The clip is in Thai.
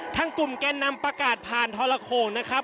ทางกลุ่มแกนนำประกาศผ่านทรโขงนะครับ